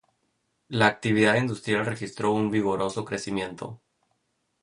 La actividad industrial registró un vigoroso crecimiento.